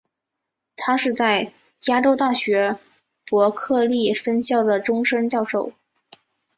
他是在加州大学伯克利分校的终身教授。